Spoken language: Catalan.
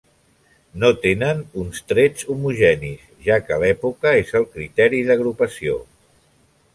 No tenen uns trets homogenis, ja que l'època és el criteri d'agrupació.